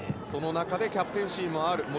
その中でキャプテンシーもある。